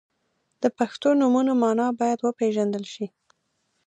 • د پښتو نومونو مانا باید وپیژندل شي.